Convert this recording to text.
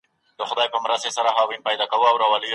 څه ډول اثار فکري پانګه ګڼل کیږي؟